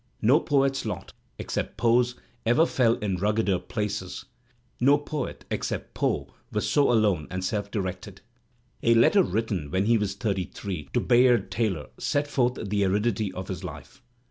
No poet's lot, except Poe's, ever fell in ruggeder places; no poet, except Poe, was so alone and self directed. A letter written when he was thirty three to Bayard Taylor sets forth the aridity of his life.